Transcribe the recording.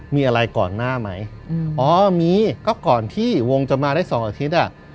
มีอะไรก่อนหน้าไหมอ๋อมีก็ก่อนที่วงจะมาได้สองอาทิตย์อ่ะ